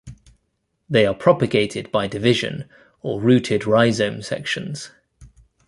They are propagated by division or rooted rhizome sections.